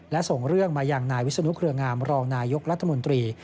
และส่งเรื่องมาอย่างนายวิศนุเครืองามรองนายกรัฐมนตรี